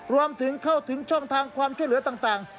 รวมถึงเข้าถึงช่องทางความช่วยเหลือต่าง